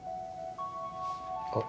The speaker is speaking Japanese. あっ